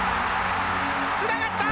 つながった！